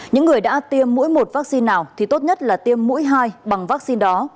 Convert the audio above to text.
những người đã tiêm mỗi một vaccine nào thì tốt nhất là tiêm mũi hai bằng vaccine đó